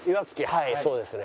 はいそうですね。